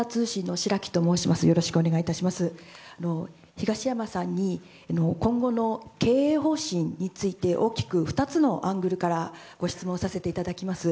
東山さんに今後の経営方針について大きく２つのアングルからご質問させていただきます。